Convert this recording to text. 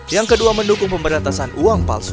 yang kedua mendukung pemberantasan uang palsu